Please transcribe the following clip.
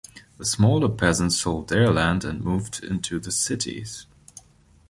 The smaller peasants sold their land and moved into the cities.